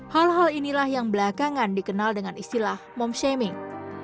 hal hal inilah yang belakangan dikenal dengan istilah mom shaming